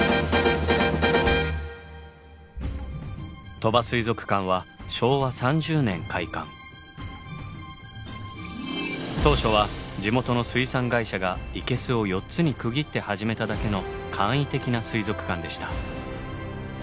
鳥羽水族館は当初は地元の水産会社が生けすを４つに区切って始めただけの簡易的な水族館でした。